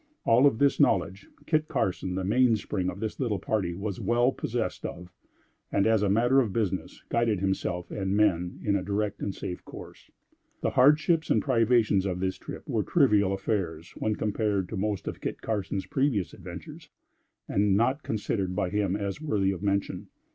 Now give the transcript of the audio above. All of this knowledge, Kit Carson, the mainspring of this little party, was well possessed of, and, as a matter of business, guided himself and men in a direct and safe course. The hardships and privations of this trip were trivial affairs when compared to most of Kit Carson's previous adventures, and not considered by him as worthy of mention.